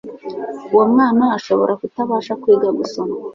uwo mwana ashobora kutabasha kwiga gusoma